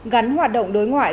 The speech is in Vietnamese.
gắn hoạt động đối ngoại